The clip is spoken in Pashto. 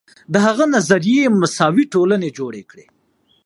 د هغه نظریې مساوي ټولنې جوړې کړې.